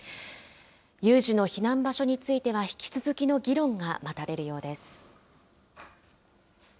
有事の避難場所については、引き続きの議論が待たれるようです。